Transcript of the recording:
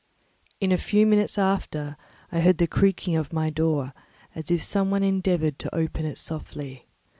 In a few minutes after, I heard the creaking of my door, as if some one endeavoured to open it softly.